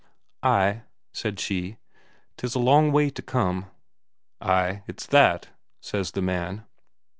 "Ay," said she, "'tis a long way to come." "Ay, it's that," says the man.